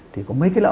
thì có mấy cái lợi